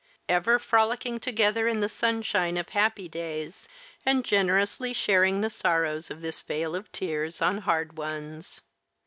Ever frolicking together in the sunshine of happy days and generously sharing the sorrows of this vale of tears on hard ones.